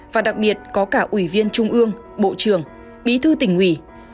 và đặc biệt có cả ủy viên trung ương bộ trưởng bí thư tỉnh ủy